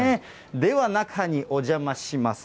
では、中にお邪魔します。